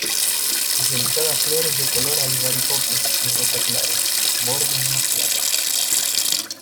Sus delicadas flores de color albaricoque y rosa claro, bordes más claros.